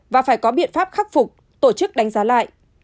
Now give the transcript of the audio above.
và phải có biện pháp khắc phục tổ chức đánh giá lại